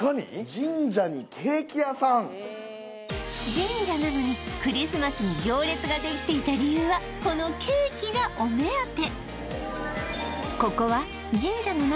神社なのにクリスマスに行列ができていた理由はこのケーキがお目当て